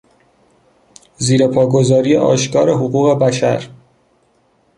زیر پا گذاری آشکار حقوق بشر